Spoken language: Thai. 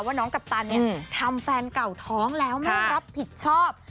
ว่าน้องกัปตันเนี่ยทำแฟนเก่าท้องแล้วไม่รับผิดชอบ